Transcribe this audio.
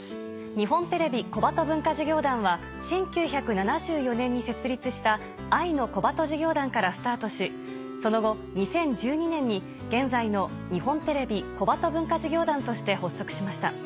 日本テレビ小鳩文化事業団は１９７４年に設立した愛の小鳩事業団からスタートしその後２０１２年に現在の日本テレビ小鳩文化事業団として発足しました。